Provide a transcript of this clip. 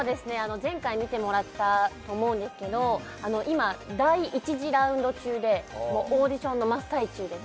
前回見てもらったと思うんですけど今第１次ラウンド中でオーディションの真っ最中です